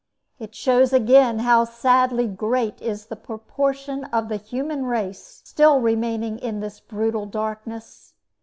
It shows, again, how sadly great is the proportion of the human race still remaining in this brutal darkness.